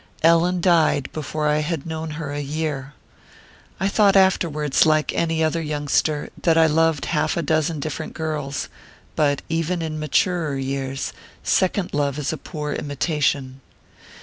Ellen died before I had known her a year. I thought afterwards, like any other youngster, that I loved half a dozen different girls ; but, even in maturer years, second love is a poor imitation.